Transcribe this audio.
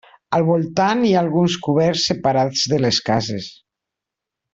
Al voltant hi ha alguns coberts separats de les cases.